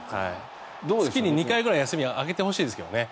月に２回くらい休みを上げてほしいですけどね。